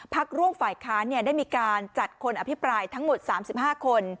พักร่วมฝ่ายค้านได้มีการจัดคนอภิปรายทั้งหมด๓๕คน